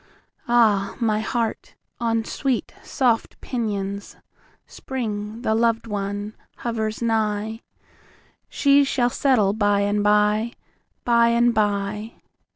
Ah, my heart, on sweet soft pinions, Spring, the lov'd one, hovers nigh, She shall settle by and by, By and by!